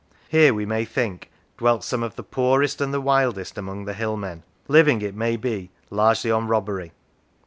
Here, we may think, dwelt some of the poorest and the wildest among the hillmen, living, it may be, largely on robbery."